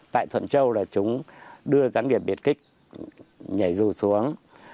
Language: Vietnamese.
tại thuận châu là chúng đưa gián điệp biệt kích nhảy dù xuống